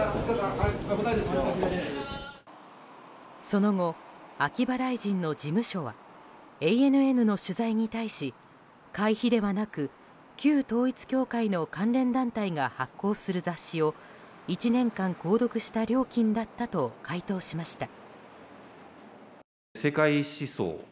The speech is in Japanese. その後、秋葉大臣の事務所はＡＮＮの取材に対し会費ではなく、旧統一教会の関連団体が発行する雑誌を１年間購読した料金だったと回答しました。